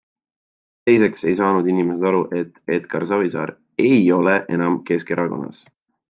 Teiseks ei saanud inimesed aru, et Edgar Savisaar ei ole enam Keskerakonnas.